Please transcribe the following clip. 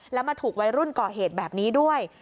แล้วมาถูกวัยรุ่นก่อเหตุแบบนี้ด้วย